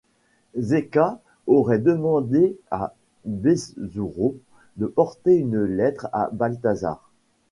Zeca aurait demandé à Besouro de porter une lettre à Baltazar.